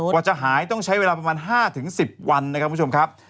กว่าจะหายต้องใช้เวลาประมาณ๕๑๐วันนะครับคุณผู้ชมครับ